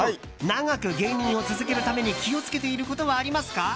長く芸人を続けるために気を付けていることはありますか。